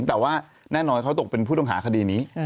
แต่ว่าแน่นอนเขาตกเป็นผู้ต้องหาคดีนี้